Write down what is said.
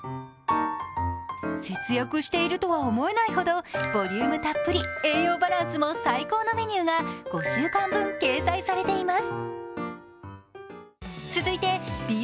節約しているとは思えないほどボリュームたっぷり栄養バランスも最高のメニューが５週間分掲載されています。